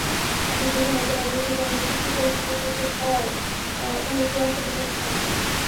এখন যদি হরতাল-অবরোধের কারণে এসএসসি পরীক্ষা পেছাতে থাকে, তাহলে ক্লাসও পেছাতে থাকবে।